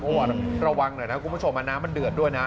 เพราะว่าระวังหน่อยนะครับคุณผู้ชมอันน้ำมันเดือดด้วยนะ